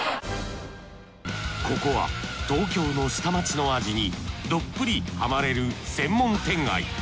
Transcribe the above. ここは東京の下町の味にどっぷりハマれる専門店街。